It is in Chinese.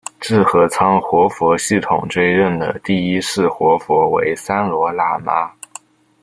智合仓活佛系统追认的第一世活佛为三罗喇嘛。